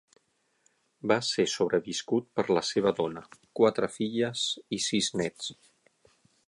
Va ser sobreviscut per la seva dona, quatre filles i sis néts.